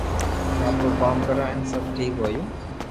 آپرو ڪوم ڪريو ھين سب ٺيڪ ھويو